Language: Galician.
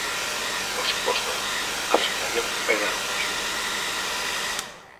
Por suposto, as asociacións de pais de alumnos.